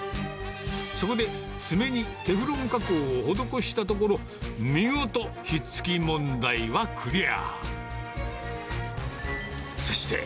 そこで爪にテフロン加工を施したところ、見事、ひっつき問題はクリア。